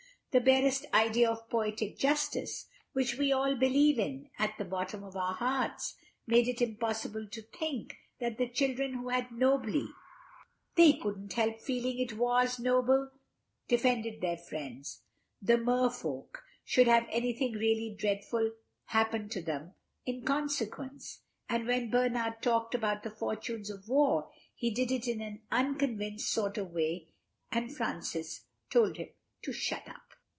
The barest idea of poetic justice—which we all believe in at the bottom of our hearts—made it impossible to think that the children who had nobly (they couldn't help feeling it was noble) defended their friends, the Mer Folk, should have anything really dreadful happen to them in consequence. And when Bernard talked about the fortunes of war he did it in an unconvinced sort of way and Francis told him to shut up.